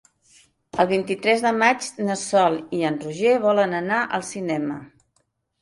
El vint-i-tres de maig na Sol i en Roger volen anar al cinema.